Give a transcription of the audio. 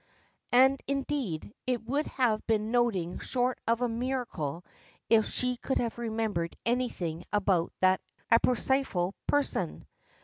And, indeed, it would have been nothing short of a miracle if she could have remembered anything about that apocryphal person.